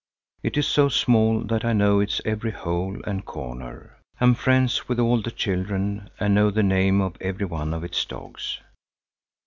It is so small that I know its every hole and corner, am friends with all the children and know the name of every one of its dogs.